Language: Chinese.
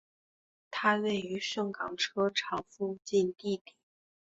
它位于盛港车厂附近地底。